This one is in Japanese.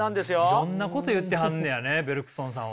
いろんなこと言ってはんねやねベルクソンさんは。